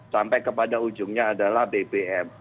sampai kepada ujungnya adalah bbm